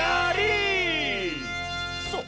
そう。